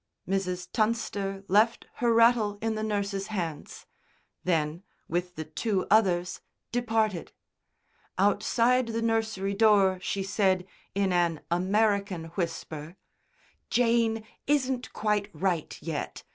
Mrs. Tunster left her rattle in the nurse's hands. Then, with the two others, departed. Outside the nursery door she said in an American whisper: "Jane isn't quite right yet.